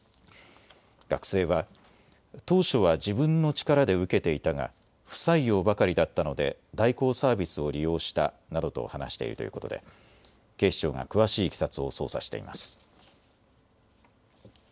学生は当初は自分の力で受けていたが不採用ばかりだったので代行サービスを利用したなどと話しているということで警視庁が詳しいいきさつを捜査しています。